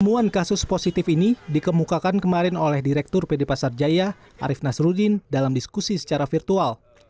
temuan kasus positif ini dikemukakan kemarin oleh direktur pd pasar jaya arief nasruddin dalam diskusi secara virtual